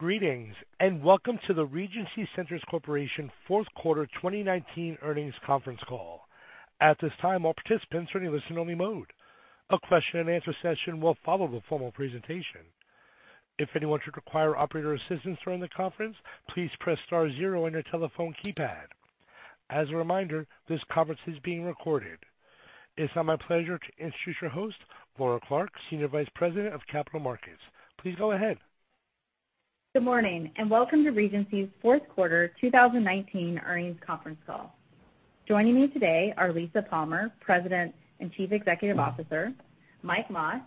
Greetings, and welcome to the Regency Centers Corporation fourth quarter 2019 earnings conference call. At this time, all participants are in listen-only mode. A question and answer session will follow the formal presentation. If anyone should require operator assistance during the conference, please press star zero on your telephone keypad. As a reminder, this conference is being recorded. It's now my pleasure to introduce your host, Laura Clark, Senior Vice President of Capital Markets. Please go ahead. Good morning, and welcome to Regency's fourth quarter 2019 earnings conference call. Joining me today are Lisa Palmer, President and Chief Executive Officer, Mike Mas,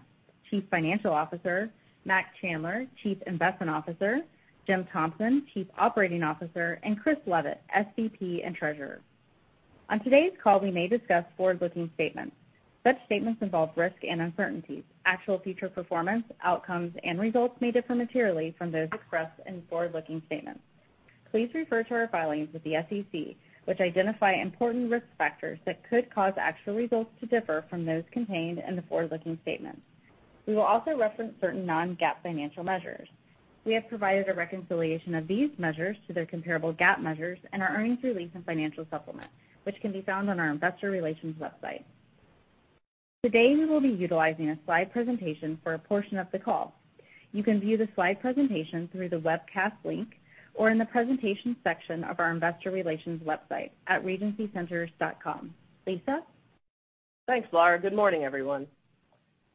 Chief Financial Officer, Mac Chandler, Chief Investment Officer, Jim Thompson, Chief Operating Officer, and Chris Leavitt, SVP and Treasurer. On today's call, we may discuss forward-looking statements. Such statements involve risk and uncertainties. Actual future performance, outcomes, and results may differ materially from those expressed in forward-looking statements. Please refer to our filings with the SEC, which identify important risk factors that could cause actual results to differ from those contained in the forward-looking statements. We will also reference certain non-GAAP financial measures. We have provided a reconciliation of these measures to their comparable GAAP measures in our earnings release and financial supplement, which can be found on our investor relations website. Today, we will be utilizing a slide presentation for a portion of the call. You can view the slide presentation through the webcast link or in the presentation section of our investor relations website at regencycenters.com. Lisa? Thanks, Laura. Good morning, everyone.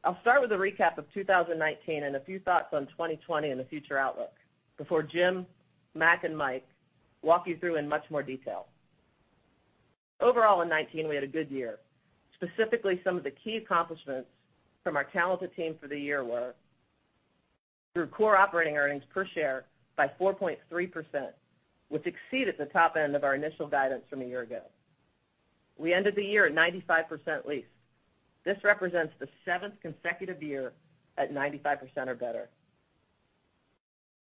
I'll start with a recap of 2019 and a few thoughts on 2020 and the future outlook before Jim, Mac, and Mike walk you through in much more detail. Overall, in 2019, we had a good year. Specifically, some of the key accomplishments from our talented team for the year were: grew core operating earnings per share by 4.3%, which exceeded the top end of our initial guidance from a year ago. We ended the year at 95% leased. This represents the seventh consecutive year at 95% or better.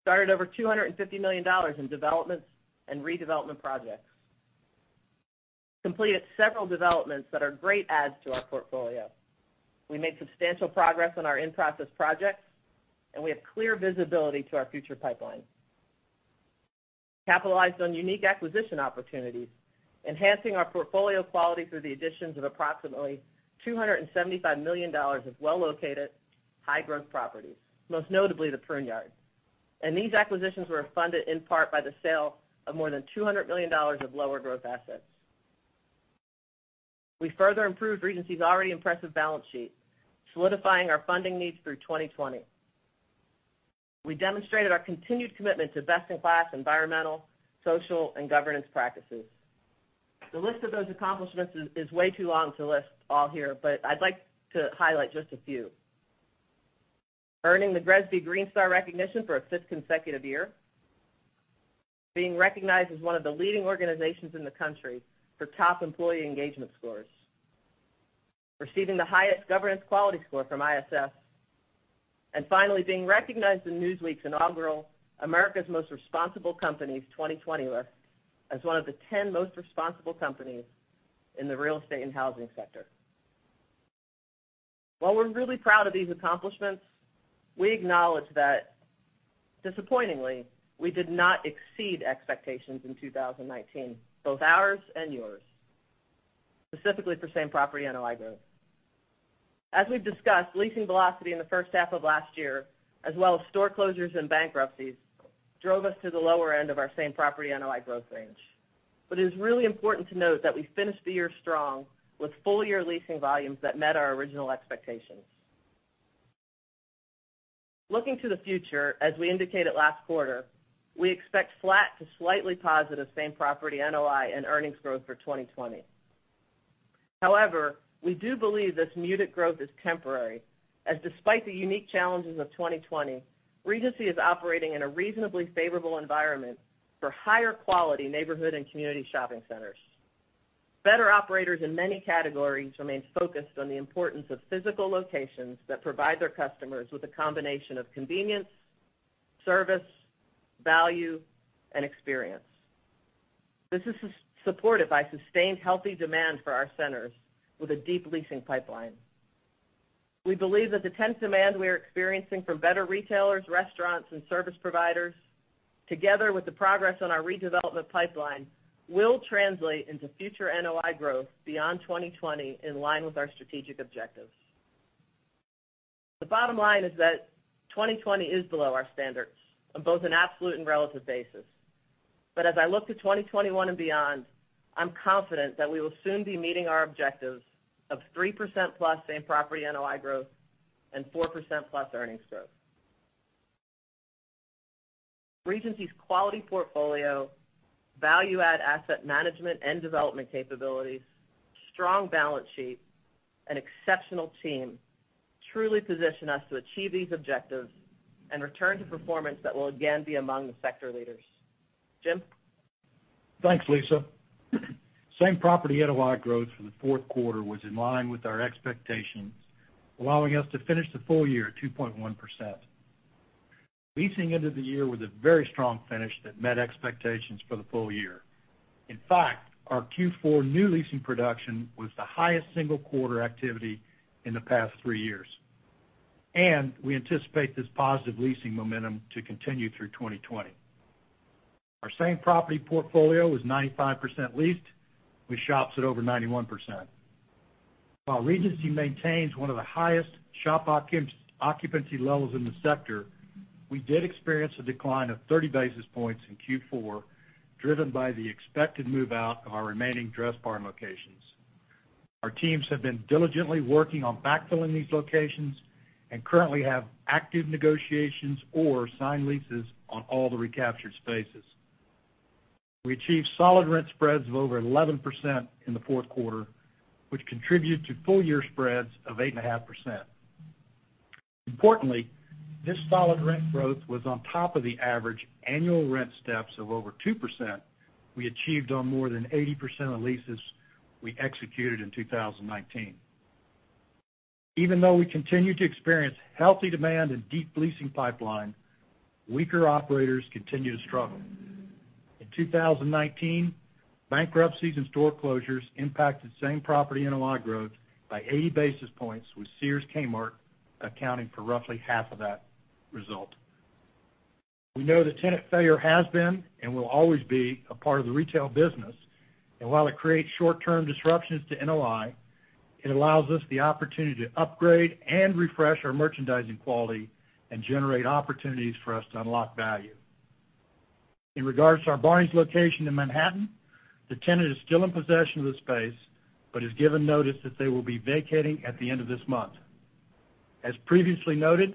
Started over $250 million in developments and redevelopment projects. Completed several developments that are great adds to our portfolio. We made substantial progress on our in-process projects. We have clear visibility to our future pipeline. Capitalized on unique acquisition opportunities, enhancing our portfolio quality through the additions of approximately $275 million of well-located, high-growth properties, most notably the Pruneyard. These acquisitions were funded in part by the sale of more than $200 million of lower-growth assets. We further improved Regency's already impressive balance sheet, solidifying our funding needs through 2020. We demonstrated our continued commitment to best-in-class environmental, social, and governance practices. The list of those accomplishments is way too long to list all here, but I'd like to highlight just a few. Earning the GRESB Green Star recognition for a fifth consecutive year. Being recognized as one of the leading organizations in the country for top employee engagement scores. Receiving the highest governance quality score from ISS. Finally, being recognized in Newsweek's inaugural America's Most Responsible Companies 2020 list as one of the 10 most responsible companies in the real estate and housing sector. While we're really proud of these accomplishments, we acknowledge that, disappointingly, we did not exceed expectations in 2019, both ours and yours, specifically for same-property NOI growth. As we've discussed, leasing velocity in the first half of last year, as well as store closures and bankruptcies, drove us to the lower end of our same-property NOI growth range. It is really important to note that we finished the year strong with full-year leasing volumes that met our original expectations. Looking to the future, as we indicated last quarter, we expect flat to slightly positive same-property NOI and earnings growth for 2020. However, we do believe this muted growth is temporary as despite the unique challenges of 2020, Regency is operating in a reasonably favorable environment for higher-quality neighborhood and community shopping centers. Better operators in many categories remain focused on the importance of physical locations that provide their customers with a combination of convenience, service, value, and experience. This is supported by sustained healthy demand for our centers with a deep leasing pipeline. We believe that the tenant demand we are experiencing from better retailers, restaurants, and service providers, together with the progress on our redevelopment pipeline, will translate into future NOI growth beyond 2020 in line with our strategic objectives. The bottom line is that 2020 is below our standards on both an absolute and relative basis. As I look to 2021 and beyond, I'm confident that we will soon be meeting our objectives of 3%+ same-property NOI growth and 4%+ earnings growth. Regency's quality portfolio, value-add asset management and development capabilities, strong balance sheet, and exceptional team truly position us to achieve these objectives and return to performance that will again be among the sector leaders. Jim? Thanks, Lisa. same-property NOI growth for the fourth quarter was in line with our expectations, allowing us to finish the full year at 2.1%. Leasing ended the year with a very strong finish that met expectations for the full year. In fact, our Q4 new leasing production was the highest single-quarter activity in the past three years. We anticipate this positive leasing momentum to continue through 2020. Our same-property portfolio is 95% leased, with shops at over 91%. While Regency maintains one of the highest shop occupancy levels in the sector, we did experience a decline of 30 basis points in Q4, driven by the expected move-out of our remaining Dress Barn locations. Our teams have been diligently working on backfilling these locations and currently have active negotiations or signed leases on all the recaptured spaces. We achieved solid rent spreads of over 11% in the fourth quarter, which contribute to full-year spreads of 8.5%. Importantly, this solid rent growth was on top of the average annual rent steps of over 2% we achieved on more than 80% of leases we executed in 2019. Even though we continue to experience healthy demand and deep leasing pipeline, weaker operators continue to struggle. In 2019, bankruptcies and store closures impacted same-property NOI growth by 80 basis points, with Sears Kmart accounting for roughly half of that result. While it creates short-term disruptions to NOI, it allows us the opportunity to upgrade and refresh our merchandising quality and generate opportunities for us to unlock value. In regards to our Barneys location in Manhattan, the tenant is still in possession of the space but has given notice that they will be vacating at the end of this month. As previously noted,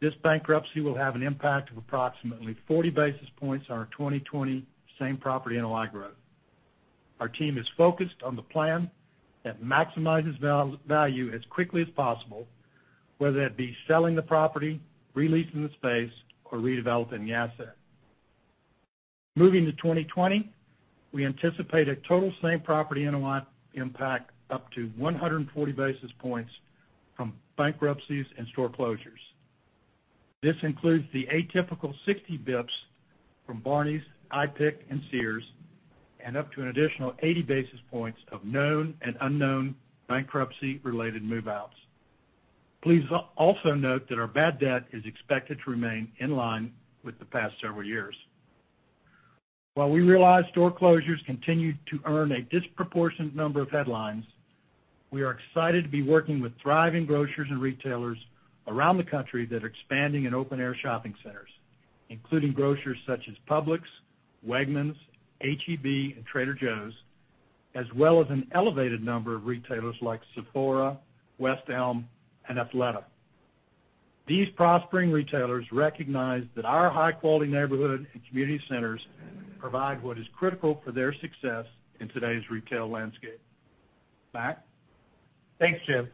this bankruptcy will have an impact of approximately 40 basis points on our 2020 same-property NOI growth. Our team is focused on the plan that maximizes value as quickly as possible, whether that be selling the property, re-leasing the space, or redeveloping the asset. Moving to 2020, we anticipate a total same-property NOI impact up to 140 basis points from bankruptcies and store closures. This includes the atypical 60 basis points from Barneys, IPIC, and Sears, and up to an additional 80 basis points of known and unknown bankruptcy-related move-outs. Please also note that our bad debt is expected to remain in line with the past several years. While we realize store closures continue to earn a disproportionate number of headlines, we are excited to be working with thriving grocers and retailers around the country that are expanding in open-air shopping centers, including grocers such as Publix, Wegmans, H-E-B, and Trader Joe's, as well as an elevated number of retailers like Sephora, West Elm, and Athleta. These prospering retailers recognize that our high-quality neighborhood and community centers provide what is critical for their success in today's retail landscape. Mac? Thanks, Jim.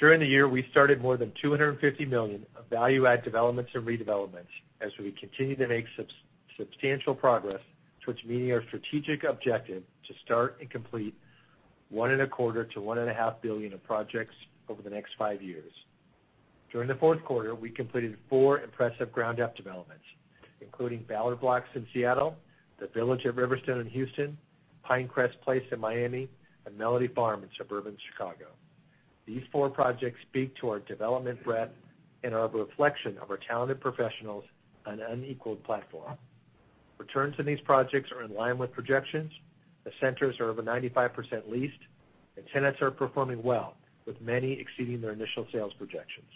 During the year, we started more than $250 million of value-add developments and redevelopments as we continue to make substantial progress towards meeting our strategic objective to start and complete one and a quarter to one and a half billion of projects over the next five years. During the fourth quarter, we completed four impressive ground-up developments, including Ballard Blocks in Seattle, The Village at Riverstone in Houston, Pinecrest Place in Miami, and Mellody Farm in suburban Chicago. These four projects speak to our development breadth and are a reflection of our talented professionals on an unequaled platform. Returns on these projects are in line with projections. The centers are over 95% leased, and tenants are performing well, with many exceeding their initial sales projections.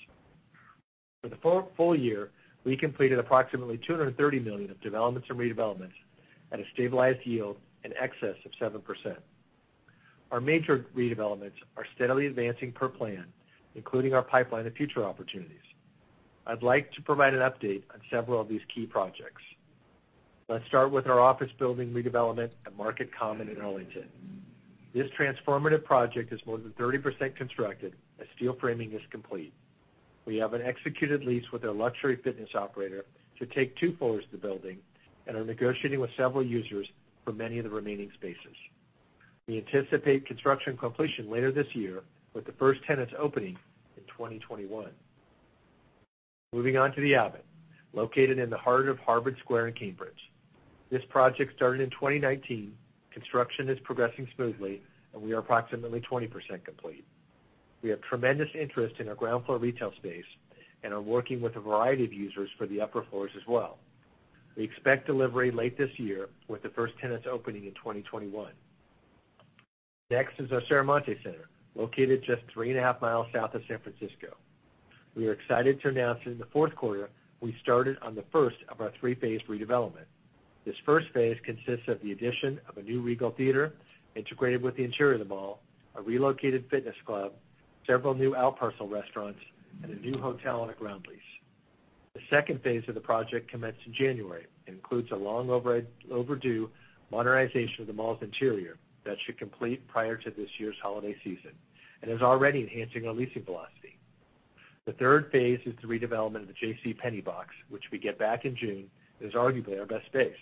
For the full year, we completed approximately $230 million of developments and redevelopments at a stabilized yield in excess of 7%. Our major redevelopments are steadily advancing per plan, including our pipeline of future opportunities. I'd like to provide an update on several of these key projects. Let's start with our office building redevelopment at Market Common in Arlington. This transformative project is more than 30% constructed as steel framing is complete. We have an executed lease with a luxury fitness operator to take two floors of the building and are negotiating with several users for many of the remaining spaces. We anticipate construction completion later this year with the first tenants opening in 2021. Moving on to The Abbot, located in the heart of Harvard Square in Cambridge. This project started in 2019. Construction is progressing smoothly, we are approximately 20% complete. We have tremendous interest in our ground-floor retail space and are working with a variety of users for the upper floors as well. We expect delivery late this year with the first tenants opening in 2021. Next is our Serramonte Center, located just three and a half miles south of San Francisco. We are excited to announce in the fourth quarter, we started on the first of our three-phase redevelopment. This first phase consists of the addition of a new Regal theater integrated with the interior of the mall, a relocated fitness club, several new out parcel restaurants, and a new hotel on a ground lease. The second phase of the project commenced in January and includes a long-overdue modernization of the mall's interior that should complete prior to this year's holiday season and is already enhancing our leasing velocity. The third phase is the redevelopment of the JCPenney box, which we get back in June, and is arguably our best space.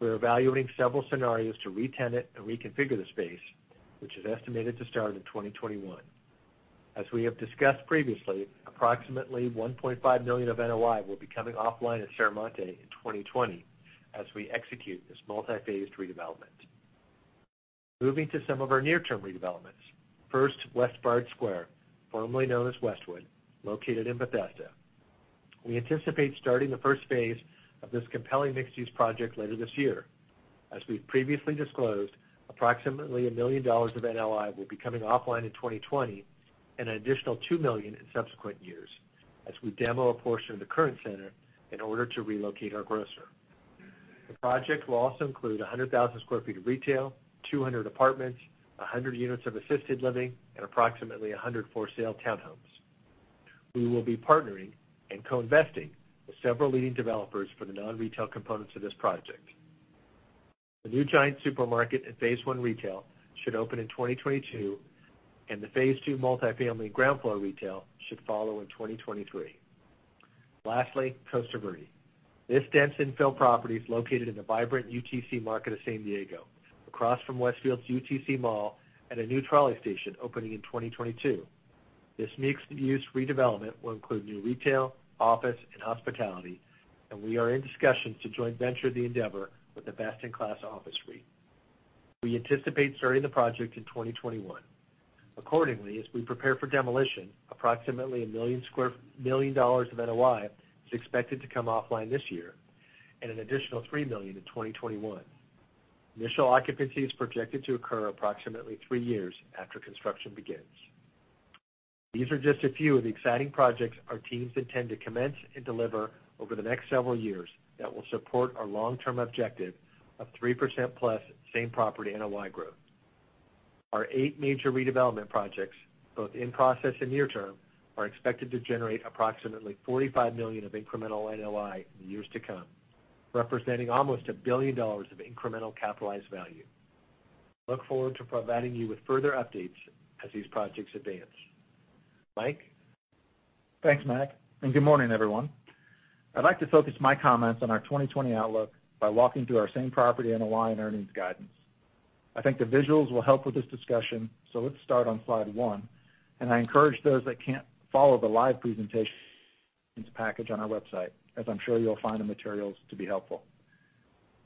We're evaluating several scenarios to re-tenant and reconfigure the space, which is estimated to start in 2021. As we have discussed previously, approximately $1.5 million of NOI will be coming offline at Serramonte in 2020 as we execute this multi-phased redevelopment. Moving to some of our near-term redevelopments. First, Westbard Square, formerly known as Westwood, located in Bethesda. We anticipate starting the first phase of this compelling mixed-use project later this year. As we've previously disclosed, approximately $1 million of NOI will be coming offline in 2020 and an additional $2 million in subsequent years as we demo a portion of the current center in order to relocate our grocer. The project will also include 100,000 sq ft of retail, 200 apartments, 100 units of assisted living, and approximately 100 for-sale townhomes. We will be partnering and co-investing with several leading developers for the non-retail components of this project. The new Giant Supermarket and phase I retail should open in 2022. The phase II multi-family ground floor retail should follow in 2023. Lastly, Costa Verde. This dense infill property is located in the vibrant UTC market of San Diego, across from Westfield's UTC Mall and a new trolley station opening in 2022. This mixed-use redevelopment will include new retail, office, and hospitality. We are in discussions to joint venture the endeavor with a best-in-class office suite. We anticipate starting the project in 2021. Accordingly, as we prepare for demolition, approximately $1 million of NOI is expected to come offline this year. An additional $3 million in 2021. Initial occupancy is projected to occur approximately three years after construction begins. These are just a few of the exciting projects our teams intend to commence and deliver over the next several years that will support our long-term objective of 3%+ same-property NOI growth. Our eight major redevelopment projects, both in-process and near-term, are expected to generate approximately $45 million of incremental NOI in the years to come, representing almost $1 billion of incremental capitalized value. Look forward to providing you with further updates as these projects advance. Mike? Thanks, Mac. Good morning, everyone. I'd like to focus my comments on our 2020 outlook by walking through our same-property NOI and earnings guidance. I think the visuals will help with this discussion, so let's start on slide one. I encourage those that can't follow the live presentation, to package on our website, as I'm sure you'll find the materials to be helpful.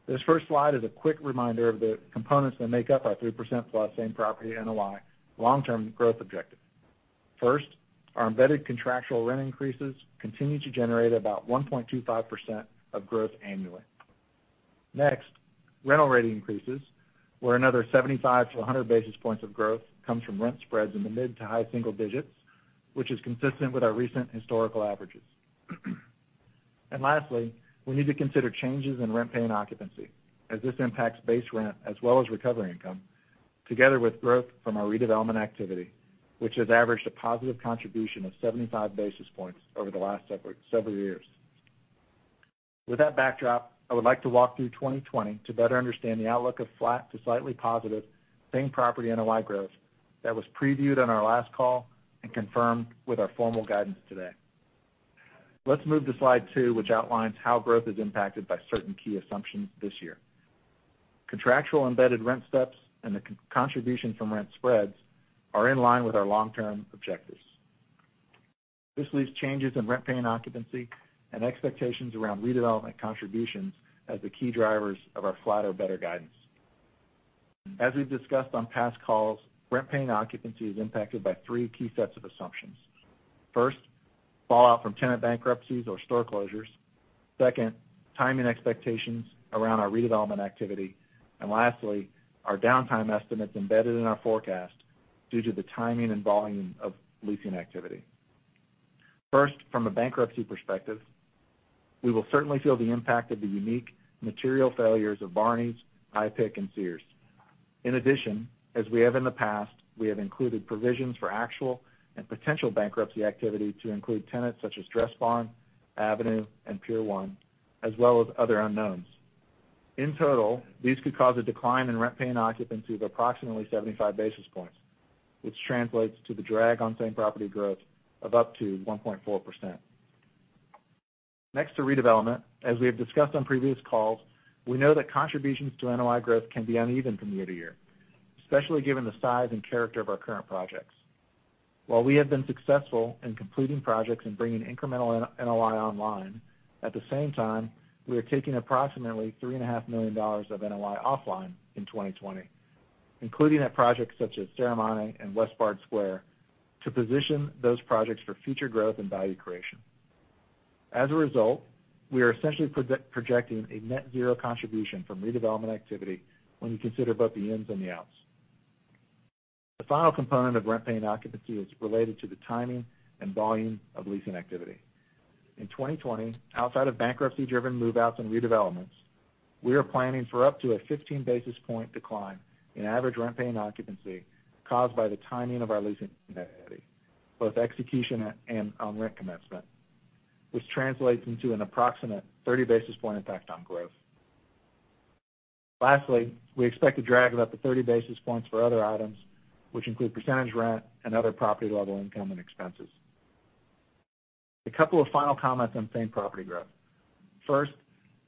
This first slide is a quick reminder of the components that make up our 3%+ same-property NOI long-term growth objective. First, our embedded contractual rent increases continue to generate about 1.25% of growth annually. Next, rental rate increases, where another 75-100 basis points of growth comes from rent spreads in the mid to high single digits, which is consistent with our recent historical averages. Lastly, we need to consider changes in rent paying occupancy, as this impacts base rent as well as recovery income, together with growth from our redevelopment activity, which has averaged a positive contribution of 75 basis points over the last several years. With that backdrop, I would like to walk through 2020 to better understand the outlook of flat to slightly positive same-property NOI growth that was previewed on our last call and confirmed with our formal guidance today. Let's move to slide two, which outlines how growth is impacted by certain key assumptions this year. Contractual embedded rent steps and the contribution from rent spreads are in line with our long-term objectives. This leaves changes in rent paying occupancy and expectations around redevelopment contributions as the key drivers of our flat or better guidance. As we've discussed on past calls, rent paying occupancy is impacted by three key sets of assumptions. First, fallout from tenant bankruptcies or store closures. Second, timing expectations around our redevelopment activity. Lastly, our downtime estimates embedded in our forecast due to the timing and volume of leasing activity. First, from a bankruptcy perspective, we will certainly feel the impact of the unique material failures of Barneys, IPIC, and Sears. In addition, as we have in the past, we have included provisions for actual and potential bankruptcy activity to include tenants such as Dressbarn, Avenue, and Pier 1, as well as other unknowns. In total, these could cause a decline in rent paying occupancy of approximately 75 basis points, which translates to the drag on same property growth of up to 1.4%. Next to redevelopment. As we have discussed on previous calls, we know that contributions to NOI growth can be uneven from year to year, especially given the size and character of our current projects. While we have been successful in completing projects and bringing incremental NOI online, at the same time, we are taking approximately $3.5 million of NOI offline in 2020, including at projects such as Serramonte and Westbard Square, to position those projects for future growth and value creation. As a result, we are essentially projecting a net zero contribution from redevelopment activity when you consider both the ins and the outs. The final component of rent paying occupancy is related to the timing and volume of leasing activity. In 2020, outside of bankruptcy-driven move-outs and redevelopments, we are planning for up to a 15 basis point decline in average rent paying occupancy caused by the timing of our leasing activity, both execution and on-rent commencement, which translates into an approximate 30 basis point impact on growth. Lastly, we expect a drag of up to 30 basis points for other items, which include percentage rent and other property-level income and expenses. A couple of final comments on same-property growth.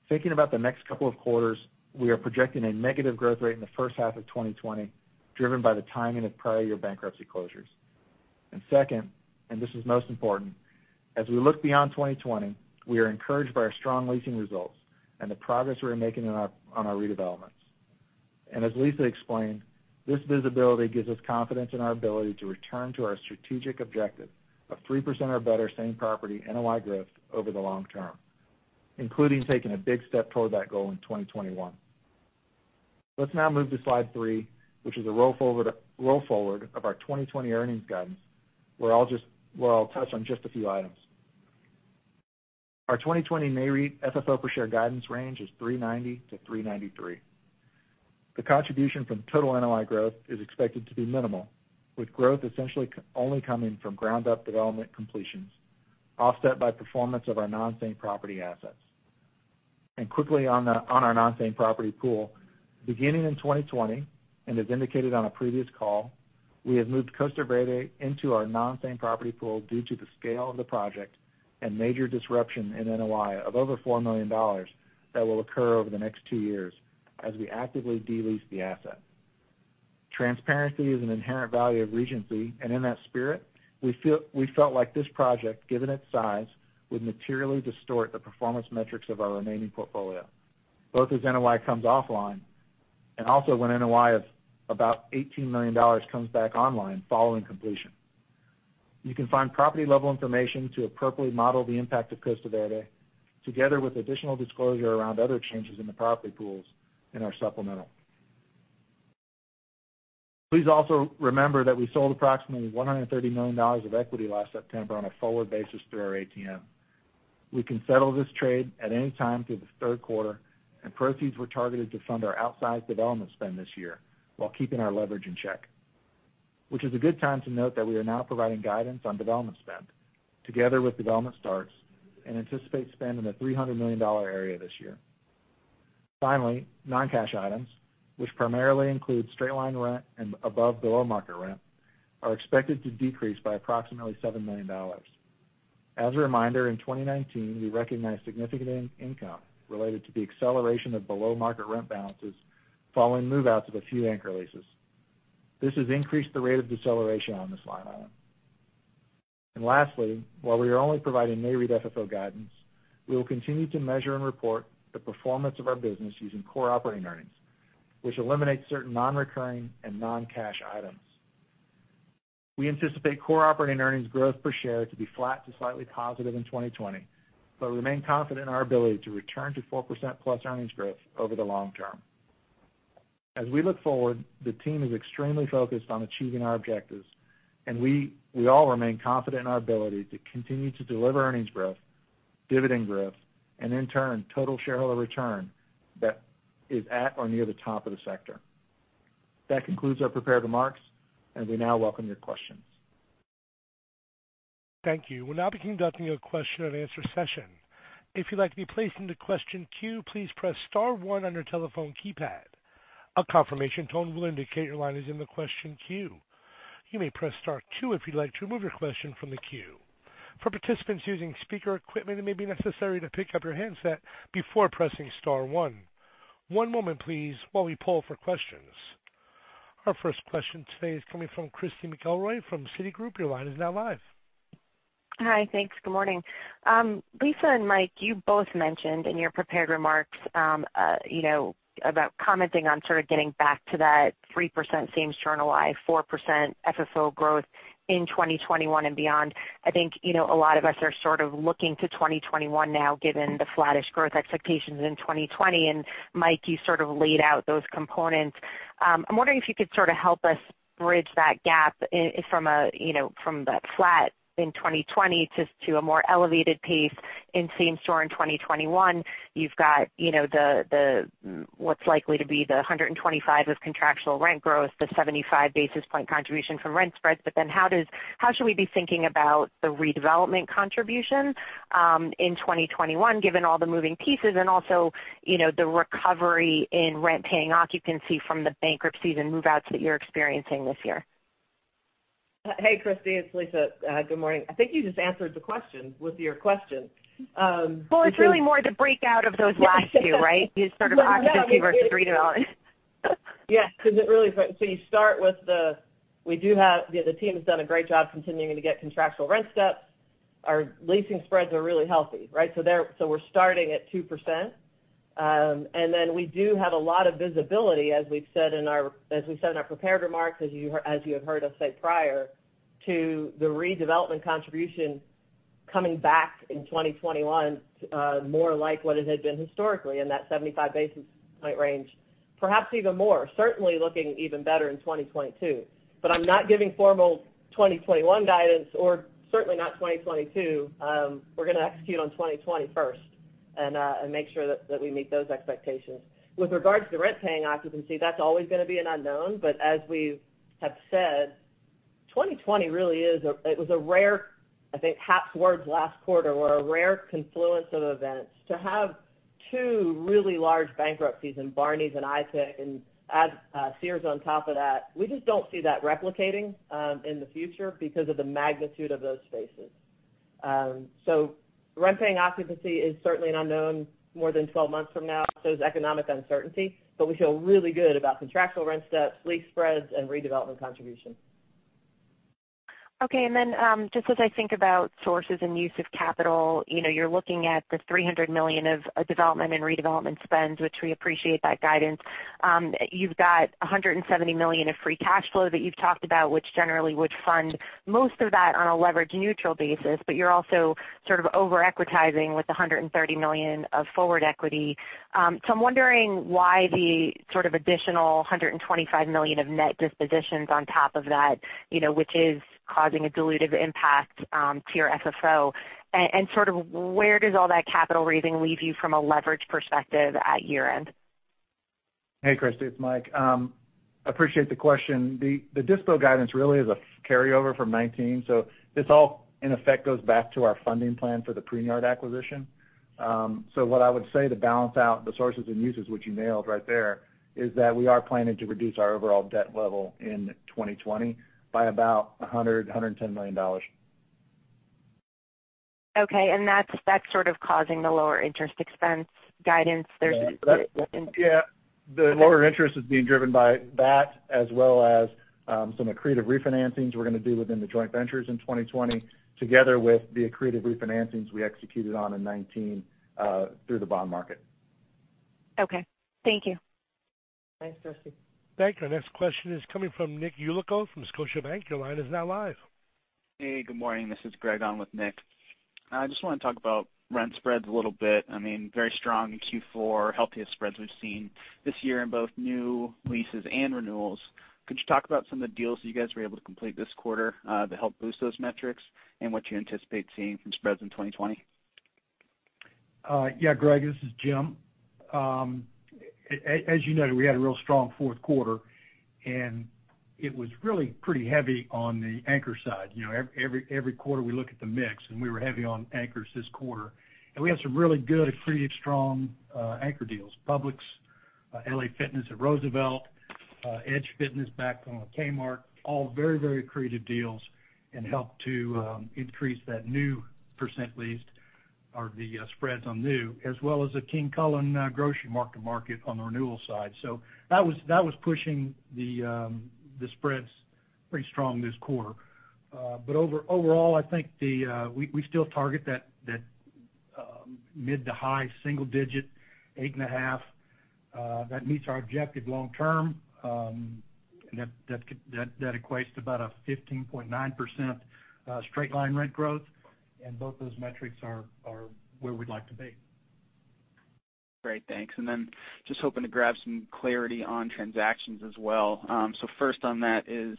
Thinking about the next couple of quarters, we are projecting a negative growth rate in the first half of 2020, driven by the timing of prior year bankruptcy closures. Second, and this is most important, as we look beyond 2020, we are encouraged by our strong leasing results and the progress we are making on our redevelopments. As Lisa explained, this visibility gives us confidence in our ability to return to our strategic objective of 3% or better same-property NOI growth over the long term, including taking a big step toward that goal in 2021. Let's now move to slide three, which is a roll forward of our 2020 earnings guidance, where I'll touch on just a few items. Our 2020 Nareit FFO per share guidance range is $3.90-$3.93. The contribution from total NOI growth is expected to be minimal, with growth essentially only coming from ground-up development completions, offset by performance of our non-same-property assets. Quickly on our non-same-property pool. Beginning in 2020, as indicated on a previous call, we have moved Costa Verde into our non-same-property pool due to the scale of the project and major disruption in NOI of $4 million that will occur over the next two years as we actively de-lease the asset. Transparency is an inherent value of Regency, in that spirit, we felt like this project, given its size, would materially distort the performance metrics of our remaining portfolio, both as NOI comes offline and also when NOI of $18 million comes back online following completion. You can find property-level information to appropriately model the impact of Costa Verde, together with additional disclosure around other changes in the property pools in our supplemental. Please also remember that we sold approximately $130 million of equity last September on a forward basis through our ATM. We can settle this trade at any time through the third quarter, proceeds were targeted to fund our outsized development spend this year while keeping our leverage in check. Which is a good time to note that we are now providing guidance on development spend together with development starts and anticipate spend in the $300 million area this year. Finally, non-cash items, which primarily include straight line rent and above below market rent, are expected to decrease by approximately $7 million. As a reminder, in 2019, we recognized significant income related to the acceleration of below-market rent balances following move-outs of a few anchor leases. This has increased the rate of deceleration on this line item. Lastly, while we are only providing Nareit FFO guidance, we will continue to measure and report the performance of our business using core operating earnings, which eliminates certain non-recurring and non-cash items. We anticipate core operating earnings growth per share to be flat to slightly positive in 2020, but remain confident in our ability to return to 4%+ earnings growth over the long term. As we look forward, the team is extremely focused on achieving our objectives, and we all remain confident in our ability to continue to deliver earnings growth, dividend growth, and in turn, total shareholder return that is at or near the top of the sector. That concludes our prepared remarks, and we now welcome your questions. Thank you. We'll now be conducting a question and answer session. If you'd like to be placed into question queue, please press star one on your telephone keypad. A confirmation tone will indicate your line is in the question queue. You may press star two if you'd like to remove your question from the queue. For participants using speaker equipment, it may be necessary to pick up your handset before pressing star one. One moment please while we poll for questions. Our first question today is coming from Christy McElroy from Citigroup. Your line is now live. Hi. Thanks. Good morning. Lisa and Mike, you both mentioned in your prepared remarks about commenting on sort of getting back to that 3% same-store NOI, 4% FFO growth in 2021 and beyond. I think a lot of us are sort of looking to 2021 now given the flattish growth expectations in 2020. Mike, you sort of laid out those components. I'm wondering if you could sort of help us bridge that gap from the flat in 2020 to a more elevated pace in same-store in 2021. You've got what's likely to be the 125 of contractual rent growth, the 75 basis point contribution from rent spreads. How should we be thinking about the redevelopment contribution in 2021 given all the moving pieces and also the recovery in rent-paying occupancy from the bankruptcies and move-outs that you're experiencing this year? Hey, Christy, it's Lisa. Good morning. I think you just answered the question with your question. Well, it's really more the breakout of those last two, right? The sort of occupancy versus redevelopment. Yes, because the team has done a great job continuing to get contractual rent steps. Our leasing spreads are really healthy, right? We're starting at 2%. We do have a lot of visibility, as we've said in our prepared remarks, as you have heard us say prior, to the redevelopment contribution coming back in 2021, more like what it had been historically in that 75 basis point range. Perhaps even more. Certainly looking even better in 2022. I'm not giving formal 2021 guidance or certainly not 2022. We're going to execute on 2020 first and make sure that we meet those expectations. With regards to the rent-paying occupancy, that's always going to be an unknown. As we have said, 2020 really is, I think Hap's words last quarter were a rare confluence of events to have. Two really large bankruptcies in Barneys and IPIC, add Sears on top of that. We just don't see that replicating in the future because of the magnitude of those spaces. Rent-paying occupancy is certainly an unknown more than 12 months from now. Is economic uncertainty. We feel really good about contractual rent steps, lease spreads, and redevelopment contributions. Okay, then just as I think about sources and use of capital, you're looking at the $300 million of development and redevelopment spends, which we appreciate that guidance. You've got $170 million of free cash flow that you've talked about, which generally would fund most of that on a leverage-neutral basis. You're also sort of over-equitizing with $130 million of forward equity. I'm wondering why the sort of additional $125 million of net dispositions on top of that, which is causing a dilutive impact to your FFO. Sort of where does all that capital raising leave you from a leverage perspective at year-end? Hey, Christy, it's Mike. Appreciate the question. The dispo guidance really is a carryover from 2019, this all in effect goes back to our funding plan for The Pruneyard acquisition. What I would say to balance out the sources and uses, which you nailed right there, is that we are planning to reduce our overall debt level in 2020 by about $100 million-$110 million. Okay, that's sort of causing the lower interest expense guidance there. Yeah, the lower interest is being driven by that, as well as some accretive refinancings we're going to do within the joint ventures in 2020, together with the accretive refinancings we executed on in 2019 through the bond market. Okay. Thank you. Thanks, Christy. Thank you. Our next question is coming from Nick Yulico from Scotiabank. Your line is now live. Hey, good morning. This is Greg on with Nick. I just want to talk about rent spreads a little bit. I mean, very strong in Q4, healthiest spreads we've seen this year in both new leases and renewals. Could you talk about some of the deals that you guys were able to complete this quarter to help boost those metrics and what you anticipate seeing from spreads in 2020? Yeah, Greg, this is Jim. As you noted, we had a real strong fourth quarter, and it was really pretty heavy on the anchor side. Every quarter we look at the mix, and we were heavy on anchors this quarter. We had some really good, accretive, strong anchor deals. Publix, LA Fitness at Roosevelt, Edge Fitness back on Kmart, all very accretive deals and helped to increase that new percent leased or the spreads on new, as well as the King Kullen Grocery Market on the renewal side. That was pushing the spreads pretty strong this quarter. But overall, I think we still target that mid to high single digit, eight and a half. That meets our objective long term. That equates to about a 15.9% straight line rent growth, and both those metrics are where we'd like to be. Great, thanks. Just hoping to grab some clarity on transactions as well. First on that is,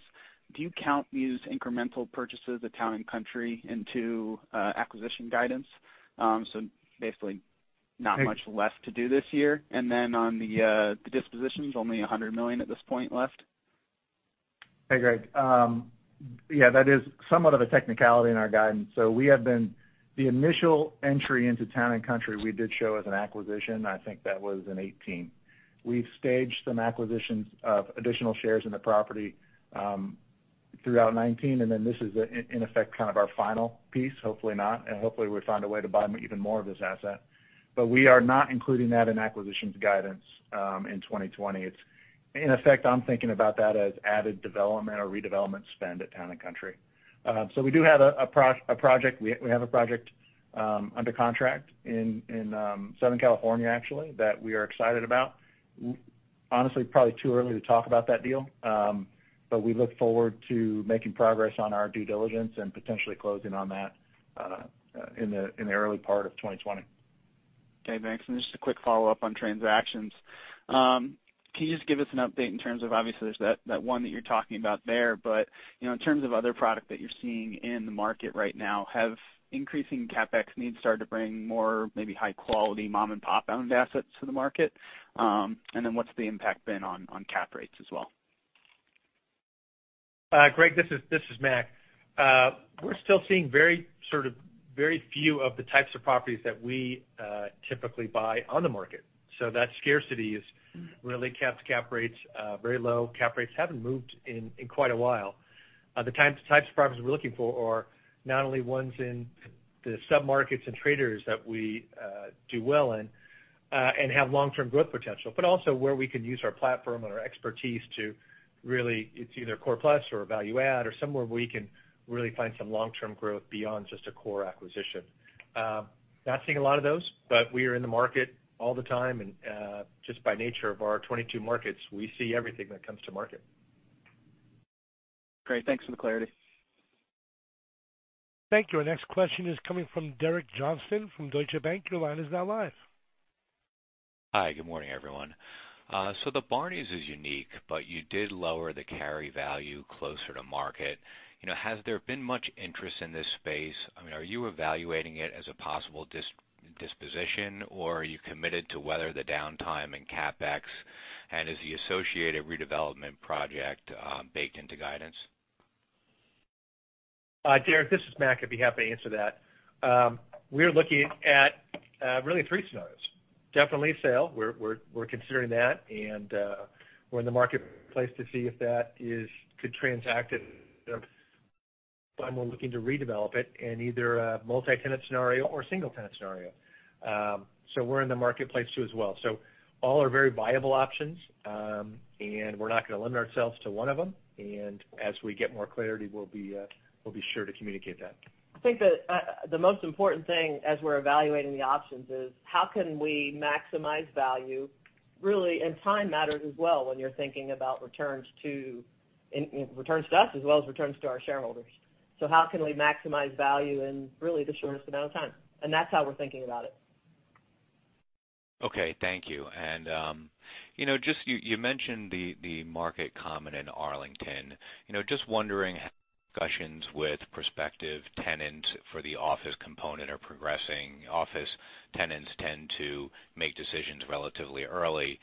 do you count these incremental purchases of Town & Country into acquisition guidance? Basically not much less to do this year. On the dispositions, only $100 million at this point left. Hey, Greg. Yeah, that is somewhat of a technicality in our guidance. We have been the initial entry into Town & Country, we did show as an acquisition. I think that was in 2018. We've staged some acquisitions of additional shares in the property throughout 2019, then this is in effect kind of our final piece. Hopefully not. Hopefully we find a way to buy even more of this asset. We are not including that in acquisitions guidance in 2020. It's in effect, I'm thinking about that as added development or redevelopment spend at Town & Country. We do have a project under contract in Southern California, actually, that we are excited about. Honestly, probably too early to talk about that deal. We look forward to making progress on our due diligence and potentially closing on that in the early part of 2020. Okay, thanks. Just a quick follow-up on transactions. Can you just give us an update in terms of, obviously, there's that one that you're talking about there, but in terms of other product that you're seeing in the market right now, have increasing CapEx needs started to bring more, maybe high quality mom-and-pop owned assets to the market? What's the impact been on cap rates as well? Greg, this is Mac. We're still seeing sort of very few of the types of properties that we typically buy on the market. That scarcity has really kept cap rates very low. Cap rates haven't moved in quite a while. The types of properties we're looking for are not only ones in the sub-markets and traders that we do well in and have long-term growth potential, but also where we can use our platform and our expertise to really, it's either core plus or value add or somewhere where we can really find some long-term growth beyond just a core acquisition. Not seeing a lot of those, but we are in the market all the time. Just by nature of our 22 markets, we see everything that comes to market. Great. Thanks for the clarity. Thank you. Our next question is coming from Derek Johnston from Deutsche Bank. Your line is now live. Hi, good morning, everyone. The Barneys is unique, but you did lower the carry value closer to market. Has there been much interest in this space? I mean, are you evaluating it as a possible disposition, or are you committed to weather the downtime in CapEx? Is the associated redevelopment project baked into guidance? Hi, Derek, this is Mac. I'd be happy to answer that. We're looking at really three scenarios. Definitely sale, we're considering that, and we're in the marketplace to see if that could transact looking to redevelop it in either a multi-tenant scenario or single-tenant scenario. We're in the marketplace too as well. All are very viable options. We're not going to limit ourselves to one of them. As we get more clarity, we'll be sure to communicate that. I think that the most important thing as we're evaluating the options is how can we maximize value, really, and time matters as well when you're thinking about returns to us, as well as returns to our shareholders. How can we maximize value in really the shortest amount of time? That's how we're thinking about it. Okay. Thank you. You mentioned the Market Common in Arlington. Just wondering how discussions with prospective tenants for the office component are progressing. Office tenants tend to make decisions relatively early.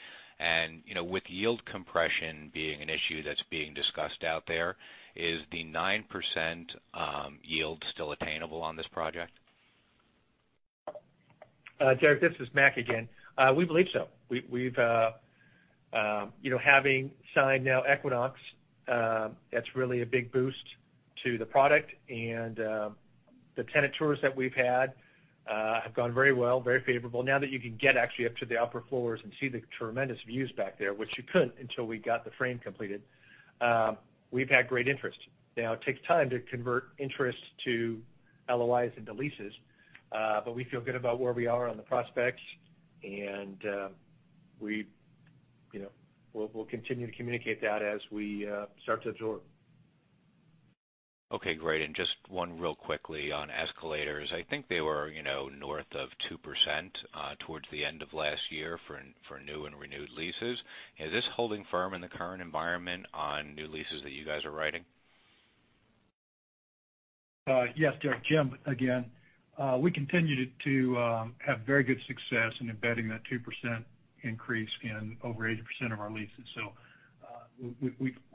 With yield compression being an issue that's being discussed out there, is the 9% yield still attainable on this project? Derek, this is Mac again. We believe so. Having signed now Equinox, that's really a big boost to the product, and the tenant tours that we've had have gone very well, very favorable. That you can get actually up to the upper floors and see the tremendous views back there, which you couldn't until we got the frame completed, we've had great interest. It takes time to convert interest to LOIs into leases. We feel good about where we are on the prospects. We'll continue to communicate that as we start to absorb. Okay, great. Just one real quickly on escalators. I think they were north of 2% towards the end of last year for new and renewed leases. Is this holding firm in the current environment on new leases that you guys are writing? Yes, Derek. Jim, again. We continue to have very good success in embedding that 2% increase in over 80% of our leases.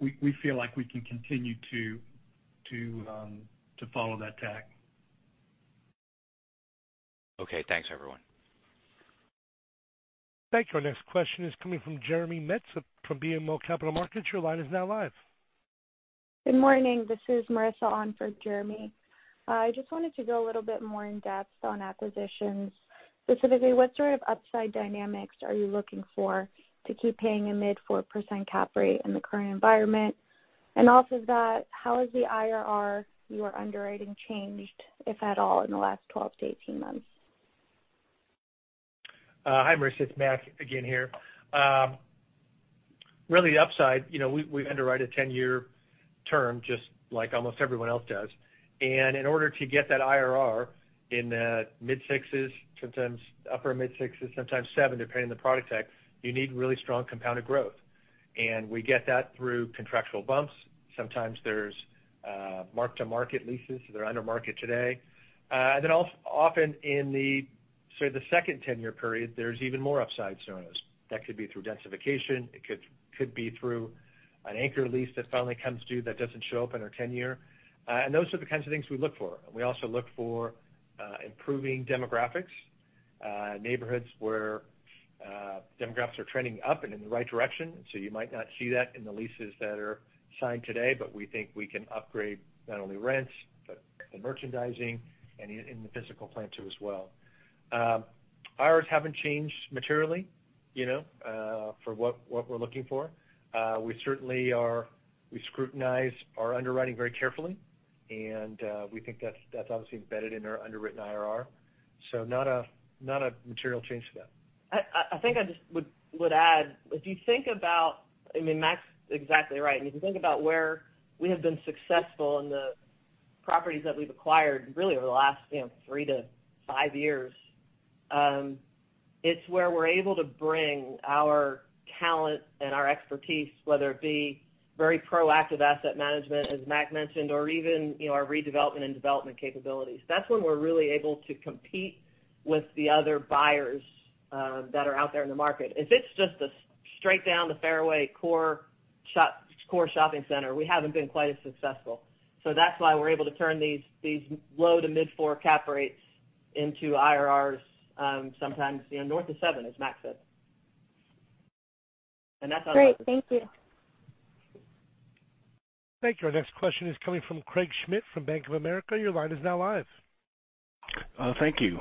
We feel like we can continue to follow that tack. Okay. Thanks, everyone. Thank you. Our next question is coming from Jeremy Metz from BMO Capital Markets. Your line is now live. Good morning. This is Marissa on for Jeremy. I just wanted to go a little bit more in depth on acquisitions. Specifically, what sort of upside dynamics are you looking for to keep paying a mid 4% cap rate in the current environment? Off of that, how has the IRR you are underwriting changed, if at all, in the last 12-18 months? Hi, Marissa. It's Mac again here. Really the upside, we underwrite a 10-year term just like almost everyone else does. In order to get that IRR in the mid sixes, sometimes upper mid sixes, sometimes seven, depending on the product type, you need really strong compounded growth. We get that through contractual bumps. Sometimes there's mark-to-market leases, so they're under market today. Then often in the sort of the second 10-year period, there's even more upside scenarios. That could be through densification, it could be through an anchor lease that finally comes due that doesn't show up in our 10-year. Those are the kinds of things we look for. We also look for improving demographics, neighborhoods where demographics are trending up and in the right direction. You might not see that in the leases that are signed today, but we think we can upgrade not only rents, but the merchandising and in the physical plant too as well. IRRs haven't changed materially for what we're looking for. We certainly scrutinize our underwriting very carefully, and we think that's obviously embedded in our underwritten IRR. Not a material change to that. I think I just would add, if you think about, Mac's exactly right. If you think about where we have been successful in the properties that we've acquired, really over the last three to five years, it's where we're able to bring our talent and our expertise, whether it be very proactive asset management, as Mac mentioned, or even our redevelopment and development capabilities. That's when we're really able to compete with the other buyers that are out there in the market. If it's just a straight down the fairway core shopping center, we haven't been quite as successful. That's why we're able to turn these low to mid four cap rates into IRRs, sometimes north of seven, as Mac said. Great. Thank you. Thank you. Our next question is coming from Craig Schmidt from Bank of America. Your line is now live. Thank you.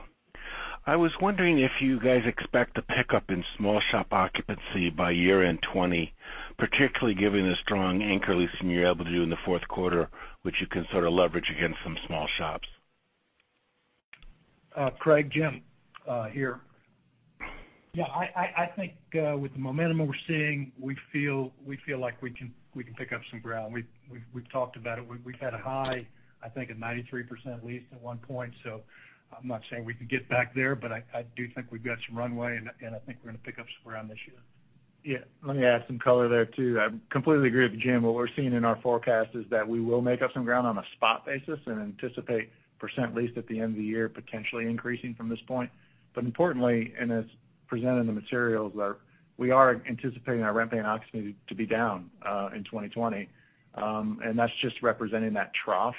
I was wondering if you guys expect a pickup in small shop occupancy by year-end 2020, particularly given the strong anchor leasing you're able to do in the fourth quarter, which you can sort of leverage against some small shops. Craig, Jim here. Yeah, I think with the momentum we're seeing, we feel like we can pick up some ground. We've talked about it. We've had a high, I think, at 93% leased at one point. I'm not saying we can get back there. I do think we've got some runway. I think we're going to pick up some ground this year. Yeah. Let me add some color there, too. I completely agree with Jim. What we're seeing in our forecast is that we will make up some ground on a spot basis and anticipate percent leased at the end of the year potentially increasing from this point. Importantly, and as presented in the materials, we are anticipating our rent paying occupancy to be down in 2020. That's just representing that trough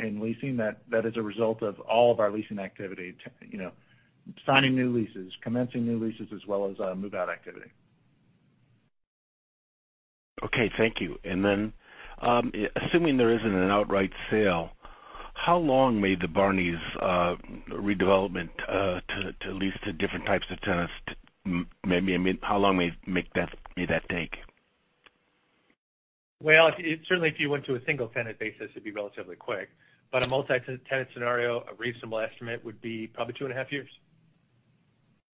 In leasing, that is a result of all of our leasing activity, signing new leases, commencing new leases, as well as our move-out activity. Okay, thank you. Assuming there isn't an outright sale, how long may the Barneys redevelopment to lease to different types of tenants, how long may that take? Well, certainly if you went to a single tenant basis, it'd be relatively quick. A multi-tenant scenario, a reasonable estimate would be probably two and a half years.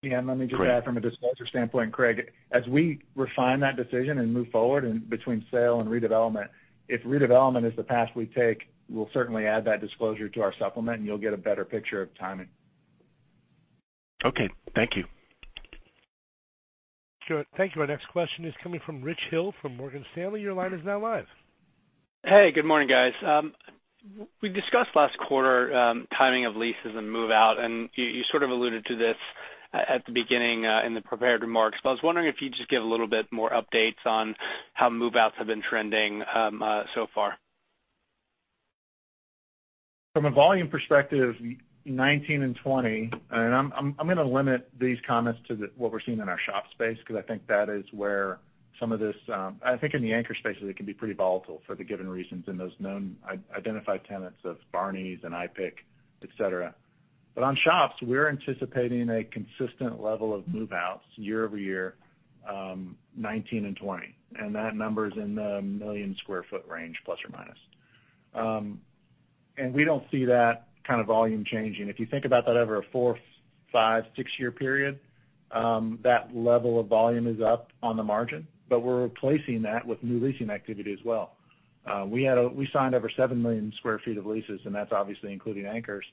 Yeah, let me just add from a disclosure standpoint, Craig, as we refine that decision and move forward between sale and redevelopment, if redevelopment is the path we take, we'll certainly add that disclosure to our supplement, and you'll get a better picture of timing. Okay, thank you. Sure. Thank you. Our next question is coming from Richard Hill from Morgan Stanley. Your line is now live. Hey, good morning, guys. We discussed last quarter timing of leases and move-out, and you sort of alluded to this at the beginning in the prepared remarks. I was wondering if you'd just give a little bit more updates on how move-outs have been trending so far. From a volume perspective, 2019 and 2020, I'm going to limit these comments to what we're seeing in our shop space, because I think in the anchor spaces, it can be pretty volatile for the given reasons in those known identified tenants of Barneys and IPIC, et cetera. On shops, we're anticipating a consistent level of move-outs year-over-year, 2019 and 2020, and that number's in the 1 million sq ft range, ±. We don't see that kind of volume changing. If you think about that over a four, five, six-year period, that level of volume is up on the margin, we're replacing that with new leasing activity as well. We signed over 7 million sq ft of leases, that's obviously including anchors.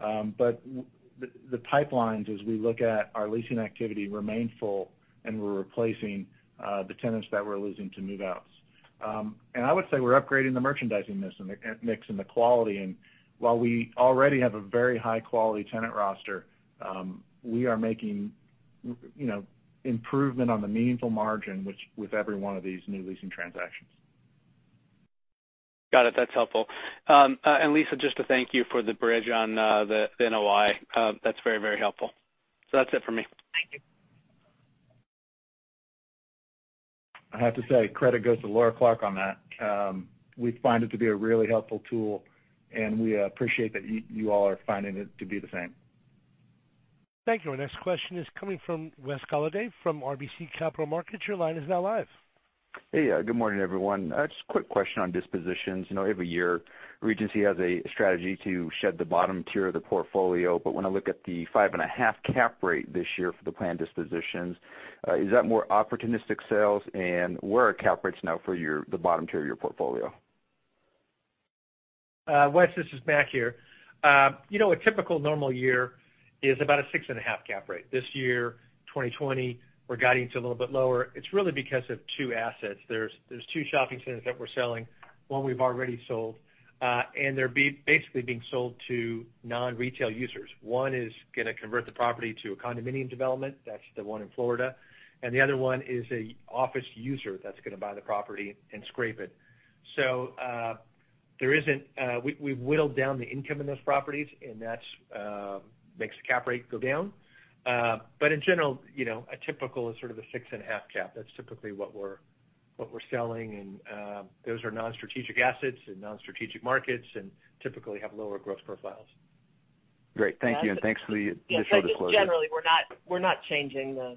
The pipelines as we look at our leasing activity remain full, and we're replacing the tenants that we're losing to move-outs. I would say we're upgrading the merchandising mix and the quality. While we already have a very high-quality tenant roster, we are making improvement on the meaningful margin, with every one of these new leasing transactions. Got it. That's helpful. Lisa, just a thank you for the bridge on the NOI. That's very helpful. That's it for me. Thank you. I have to say, credit goes to Laura Clark on that. We find it to be a really helpful tool, and we appreciate that you all are finding it to be the same. Thank you. Our next question is coming from Wes Golladay from RBC Capital Markets. Your line is now live. Hey. Good morning, everyone. Just a quick question on dispositions. Every year, Regency has a strategy to shed the bottom tier of the portfolio. When I look at the five and a half cap rate this year for the planned dispositions, is that more opportunistic sales? Where are cap rates now for the bottom tier of your portfolio? Wes, this is Mac here. A typical normal year is about a 6.5 cap rate. This year, 2020, we're guiding to a little bit lower. It's really because of two assets. There's two shopping centers that we're selling. One we've already sold. They're basically being sold to non-retail users. One is going to convert the property to a condominium development. That's the one in Florida. The other one is an office user that's going to buy the property and scrape it. We've whittled down the income in those properties, and that makes the cap rate go down. In general, a typical is sort of a 6.5 cap. That's typically what we're selling, and those are non-strategic assets in non-strategic markets, and typically have lower growth profiles. Great. Thank you. Thanks for the disclosure. Yes. I think generally, we're not changing the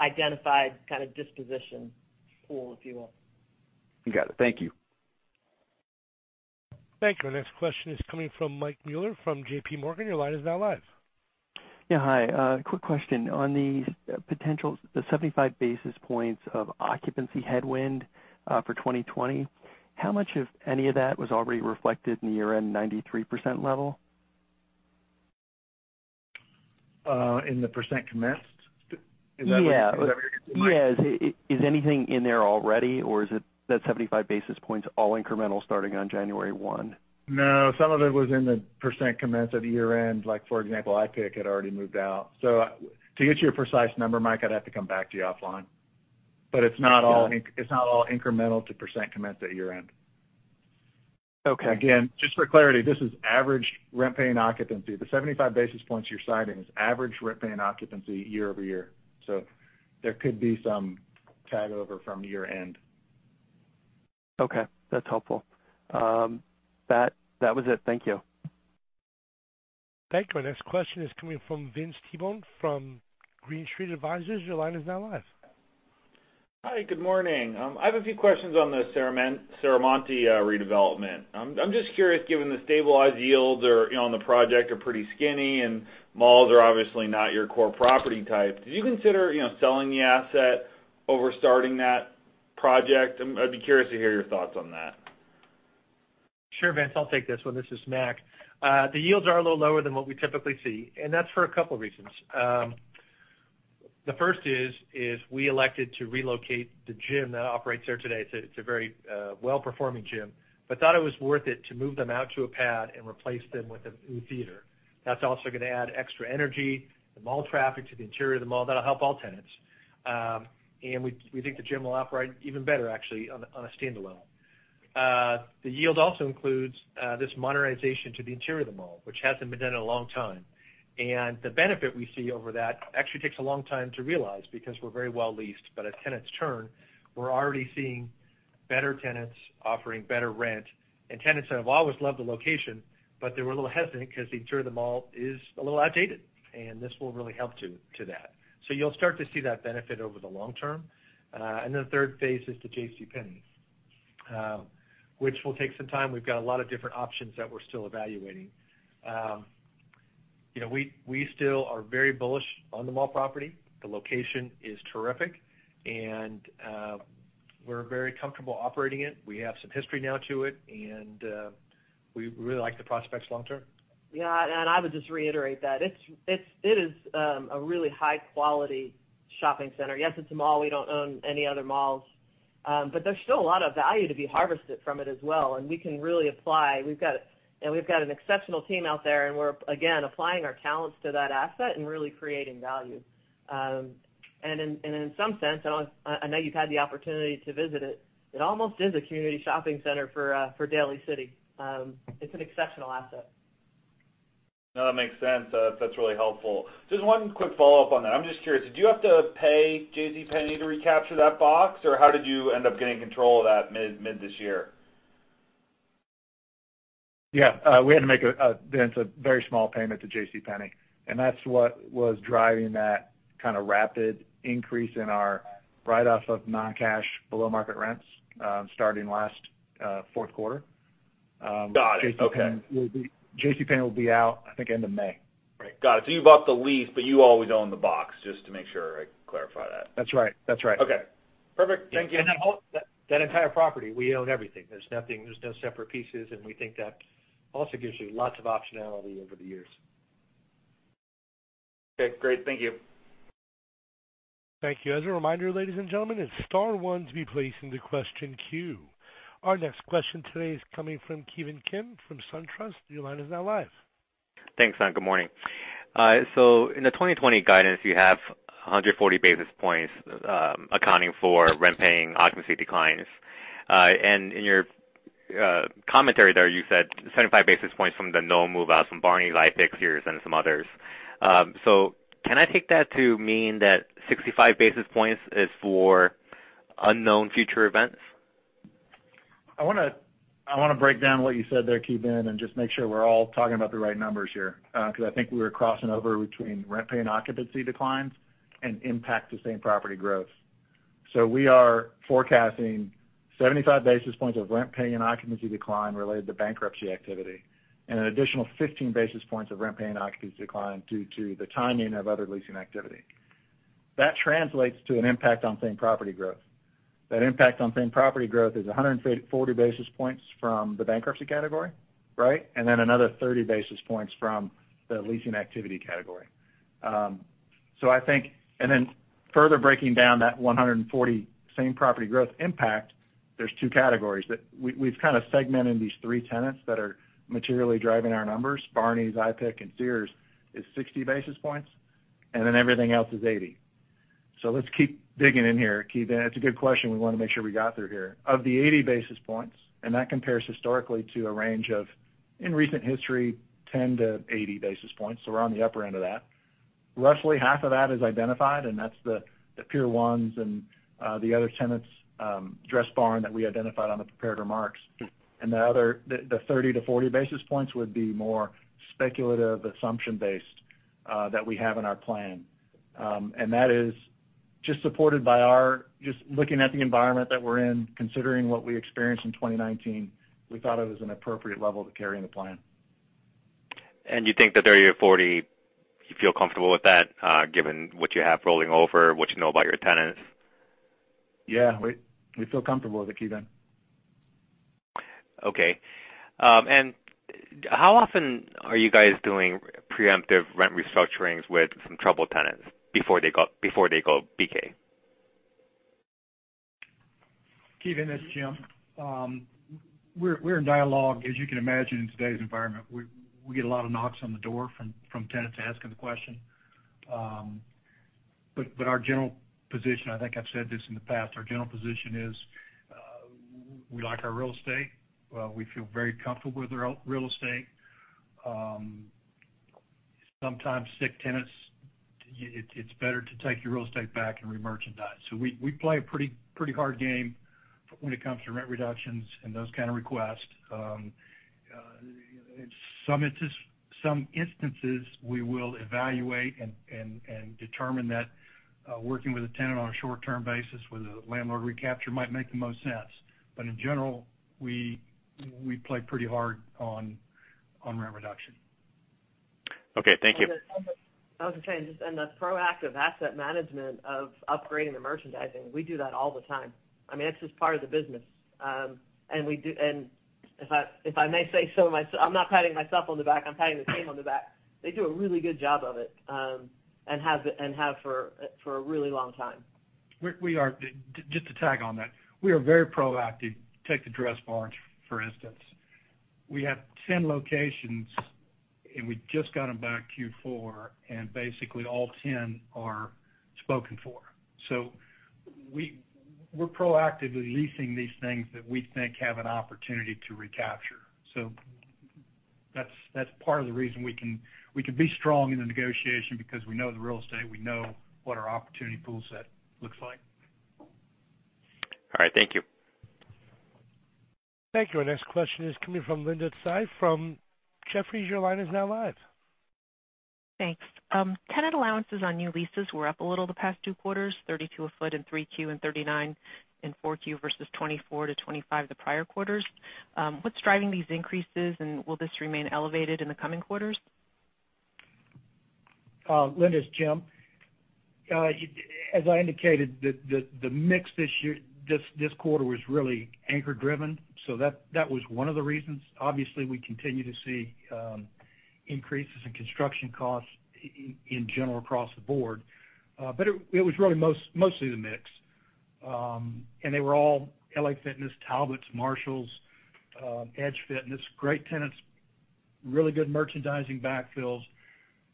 identified kind of disposition pool, if you will. Got it. Thank you. Thank you. Our next question is coming from Michael Mueller from JPMorgan. Your line is now live. Yeah. Hi. A quick question. On the potential, the 75 basis points of occupancy headwind for 2020, how much of any of that was already reflected in the year-end 93% level? In the percent commenced? Is that what you're getting at, Mike? Yes. Is anything in there already, or is it that 75 basis points all incremental starting on January 1? Some of it was in the percent commenced at year-end. For example, IPIC had already moved out. To get you a precise number, Mike, I'd have to come back to you offline. It's not all incremental to % commenced at year-end. Okay. Again, just for clarity, this is average rent-paying occupancy. The 75 basis points you're citing is average rent-paying occupancy year over year. There could be some tagover from year-end. Okay. That's helpful. That was it. Thank you. Thank you. Our next question is coming from Vince Tibone from Green Street Advisors. Your line is now live. Hi, good morning. I have a few questions on the Serramonte redevelopment. I'm just curious, given the stabilized yields on the project are pretty skinny, and malls are obviously not your core property type, did you consider selling the asset over starting that project? I'd be curious to hear your thoughts on that. Sure, Vince. I'll take this one. This is Mac. The yields are a little lower than what we typically see, and that's for a couple reasons. The first is, we elected to relocate the gym that operates there today. It's a very well-performing gym. Thought it was worth it to move them out to a pad and replace them with a new theater. That's also going to add extra energy and mall traffic to the interior of the mall. That'll help all tenants. We think the gym will operate even better, actually, on a standalone. The yield also includes this modernization to the interior of the mall, which hasn't been done in a long time. The benefit we see over that actually takes a long time to realize, because we're very well leased. As tenants turn, we're already seeing better tenants offering better rent, and tenants that have always loved the location, but they were a little hesitant because the interior of the mall is a little outdated. This will really help to that. You'll start to see that benefit over the long term. The third phase is the JCPenney, which will take some time. We've got a lot of different options that we're still evaluating. We still are very bullish on the mall property. The location is terrific, and we're very comfortable operating it. We have some history now to it, and we really like the prospects long term. I would just reiterate that. It is a really high-quality shopping center. Yes, it's a mall. We don't own any other malls. There's still a lot of value to be harvested from it as well, we've got an exceptional team out there, and we're, again, applying our talents to that asset and really creating value. In some sense, I know you've had the opportunity to visit it almost is a community shopping center for Daly City. It's an exceptional asset. No, that makes sense. That's really helpful. Just one quick follow-up on that. I'm just curious, did you have to pay JCPenney to recapture that box, or how did you end up getting control of that mid this year? Yeah. We had to make a very small payment to JCPenney, and that's what was driving that kind of rapid increase in our write-off of non-cash below-market rents, starting last fourth quarter. Got it. Okay. JCPenney will be out, I think, end of May. Right. Got it. You bought the lease, but you always own the box, just to make sure I clarify that. That's right. Okay, perfect. Thank you. That entire property, we own everything. There's no separate pieces, we think that also gives you lots of optionality over the years. Okay, great. Thank you. Thank you. As a reminder, ladies and gentlemen, it's star one to be placed into question queue. Our next question today is coming from Ki Bin Kim from SunTrust. Your line is now live. Thanks. Good morning. In the 2020 guidance, you have 140 basis points accounting for rent-paying occupancy declines. In your commentary there, you said 75 basis points from the no move-outs from Barneys, IPIC, Sears, and some others. Can I take that to mean that 65 basis points is for unknown future events? I want to break down what you said there, Ki Bin, and just make sure we're all talking about the right numbers here, because I think we were crossing over between rent-paying occupancy declines and impact to same-property growth. We are forecasting 75 basis points of rent-paying and occupancy decline related to bankruptcy activity, and an additional 15 basis points of rent-paying and occupancy decline due to the timing of other leasing activity. That translates to an impact on same-property growth. That impact on same-property growth is 140 basis points from the bankruptcy category, right, and then another 30 basis points from the leasing activity category. Further breaking down that 140 same-property growth impact, there's two categories. We've kind of segmented these three tenants that are materially driving our numbers, Barneys, IPIC, and Sears, is 60 basis points, and then everything else is 80. Let's keep digging in here, Ki Bin. It's a good question. We want to make sure we got through here. Of the 80 basis points, that compares historically to a range of, in recent history, 10-80 basis points, so we're on the upper end of that. Roughly half of that is identified, that's the Pier 1s and the other tenants, Dressbarn, that we identified on the prepared remarks. The 30-40 basis points would be more speculative, assumption-based, that we have in our plan. That is just supported by just looking at the environment that we're in, considering what we experienced in 2019, we thought it was an appropriate level to carry in the plan. You think the 30 or 40, you feel comfortable with that, given what you have rolling over, what you know about your tenants? Yeah. We feel comfortable with it, Ki Bin. Okay. How often are you guys doing preemptive rent restructurings with some troubled tenants before they go BK? Ki Bin, this is Jim. We're in dialogue. As you can imagine, in today's environment, we get a lot of knocks on the door from tenants asking the question. Our general position, I think I've said this in the past, our general position is we like our real estate. We feel very comfortable with our real estate. Sometimes sick tenants, it's better to take your real estate back and re-merchandise. We play a pretty hard game when it comes to rent reductions and those kind of requests. In some instances, we will evaluate and determine that working with a tenant on a short-term basis with a landlord recapture might make the most sense. In general, we play pretty hard on rent reduction. Okay. Thank you. I was going to say, the proactive asset management of upgrading the merchandising, we do that all the time. It's just part of the business. If I may say so myself, I'm not patting myself on the back, I'm patting the team on the back. They do a really good job of it, and have for a really long time. Just to tag on that, we are very proactive. Take the Dressbarns, for instance. We have 10 locations We just got them back Q4, and basically all 10 are spoken for. We're proactively leasing these things that we think have an opportunity to recapture. That's part of the reason we can be strong in the negotiation because we know the real estate, we know what our opportunity pool set looks like. All right. Thank you. Thank you. Our next question is coming from Linda Tsai from Jefferies. Your line is now live. Thanks. Tenant allowances on new leases were up a little the past two quarters, $32 a foot in Q3 and $39 in Q4 versus $24-$25 the prior quarters. What's driving these increases, and will this remain elevated in the coming quarters? Linda, it's Jim. As I indicated, the mix this quarter was really anchor driven, that was one of the reasons. Obviously, we continue to see increases in construction costs in general across the board. It was really mostly the mix. They were all LA Fitness, Talbots, Marshalls, Edge Fitness, great tenants, really good merchandising backfills.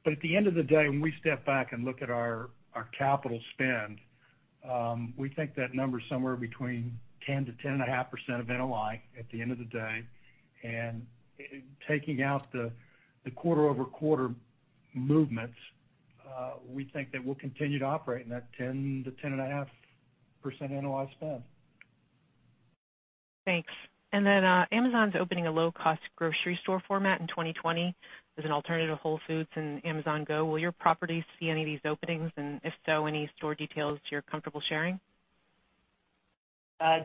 At the end of the day, when we step back and look at our capital spend, we think that number is somewhere between 10%-10.5% of NOI at the end of the day. Taking out the quarter-over-quarter movements, we think that we'll continue to operate in that 10%-10.5% NOI spend. Thanks. Amazon's opening a low-cost grocery store format in 2020 as an alternative to Whole Foods and Amazon Go. Will your properties see any of these openings? If so, any store details you're comfortable sharing?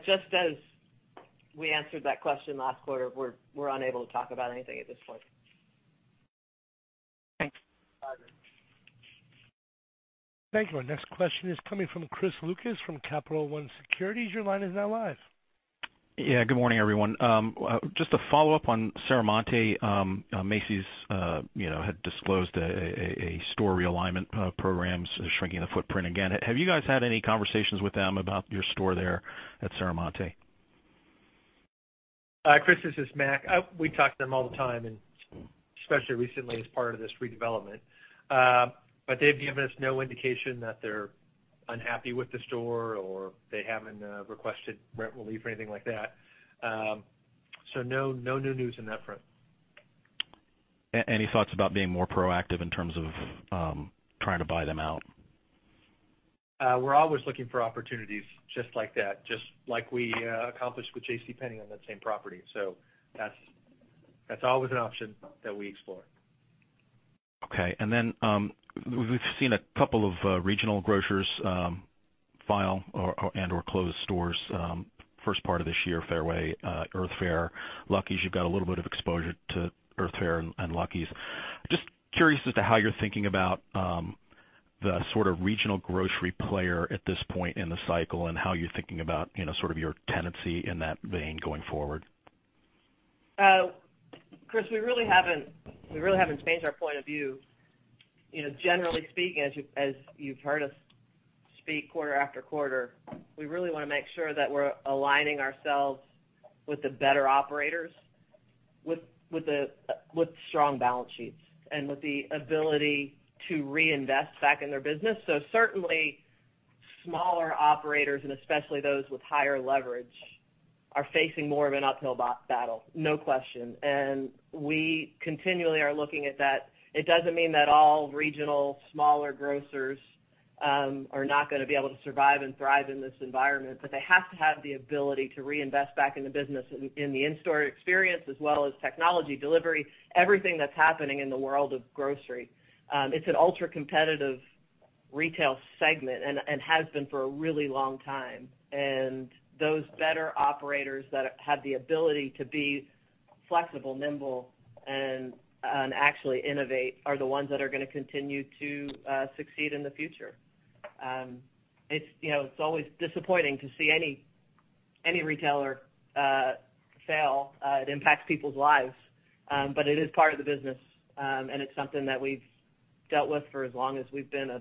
Just as we answered that question last quarter, we're unable to talk about anything at this point. Thanks. You're welcome. Thank you. Our next question is coming from Chris Lucas from Capital One Securities. Your line is now live. Good morning, everyone. Just a follow-up on Serramonte. Macy's had disclosed a store realignment program, so they're shrinking the footprint again. Have you guys had any conversations with them about your store there at Serramonte? Chris, this is Mac. We talk to them all the time, and especially recently as part of this redevelopment. They've given us no indication that they're unhappy with the store or they haven't requested rent relief or anything like that. No new news on that front. Any thoughts about being more proactive in terms of trying to buy them out? We're always looking for opportunities just like that, just like we accomplished with JCPenney on that same property. That's always an option that we explore. Okay. We've seen a couple of regional grocers file and/or close stores first part of this year, Fairway, Earth Fare, Lucky's. You've got a little bit of exposure to Earth Fare and Lucky's. Just curious as to how you're thinking about the sort of regional grocery player at this point in the cycle and how you're thinking about sort of your tenancy in that vein going forward. Chris, we really haven't changed our point of view. Generally speaking, as you've heard us speak quarter after quarter, we really want to make sure that we're aligning ourselves with the better operators, with strong balance sheets, and with the ability to reinvest back in their business. Certainly, smaller operators, and especially those with higher leverage, are facing more of an uphill battle. No question. We continually are looking at that. It doesn't mean that all regional, smaller grocers are not going to be able to survive and thrive in this environment, but they have to have the ability to reinvest back in the business, in the in-store experience, as well as technology delivery, everything that's happening in the world of grocery. It's an ultra-competitive retail segment and has been for a really long time. Those better operators that have the ability to be flexible, nimble, and actually innovate are the ones that are going to continue to succeed in the future. It's always disappointing to see any retailer fail. It impacts people's lives. It is part of the business, and it's something that we've dealt with for as long as we've been a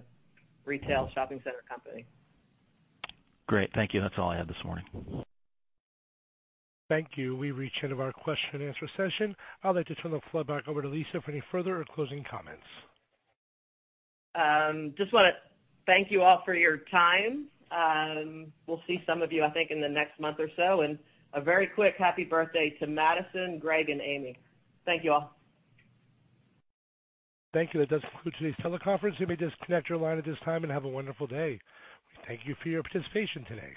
retail shopping center company. Great. Thank you. That's all I had this morning. Thank you. We've reached the end of our question and answer session. I'd like to turn the floor back over to Lisa for any further or closing comments. Just want to thank you all for your time. We'll see some of you, I think, in the next month or so, and a very quick happy birthday to Madison, Greg, and Amy. Thank you all. Thank you. That does conclude today's teleconference. You may disconnect your line at this time, and have a wonderful day. Thank you for your participation today.